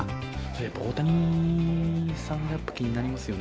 やっぱ大谷さんがやっぱ気になりますよね。